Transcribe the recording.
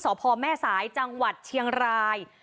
พ่อแม่สายจังหวัดเชียงราย